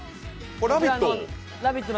「ラヴィット！」